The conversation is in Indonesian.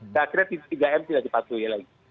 saya akhirnya tiga m tidak dipatuhi lagi